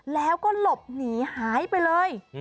แล้วก็หลบหนีหายไปเลย